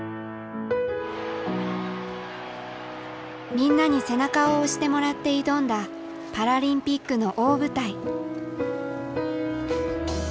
みんなに背中を押してもらって挑んだパラリンピックの大舞台。